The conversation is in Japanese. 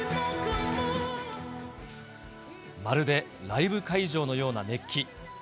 まるでライブ会場のような熱気。